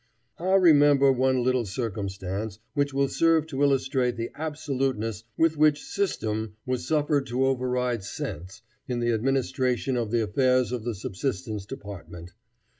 I remember one little circumstance, which will serve to illustrate the absoluteness with which system was suffered to override sense in the administration of the affairs of the subsistence department.